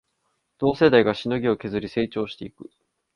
同世代がしのぎを削り成長していく